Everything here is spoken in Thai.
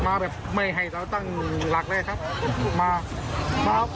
มาแบบไม่ให้ตั้งหลักได้ครับ